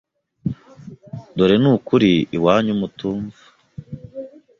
Dore ni ukuri iwanyu mutumva